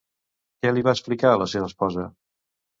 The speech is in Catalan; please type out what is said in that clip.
Què li va explicar a la seva esposa?